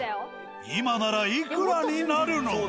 今ならいくらになるのか？